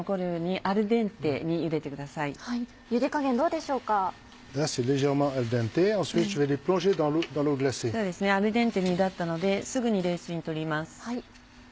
アルデンテにゆだったのですぐに冷水にとります。